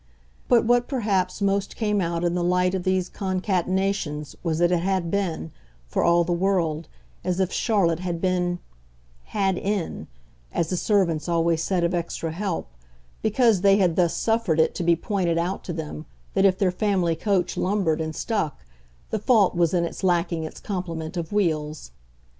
But what perhaps most came out in the light of these concatenations was that it had been, for all the world, as if Charlotte had been "had in," as the servants always said of extra help, because they had thus suffered it to be pointed out to them that if their family coach lumbered and stuck the fault was in its lacking its complement of wheels.